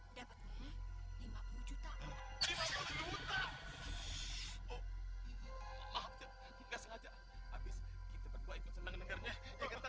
bank ujang dapat duit dari kuburan keramat